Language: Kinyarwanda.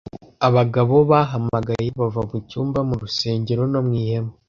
Abagabo bahamagaye bava mu cyumba, mu rusengero, no mu ihema;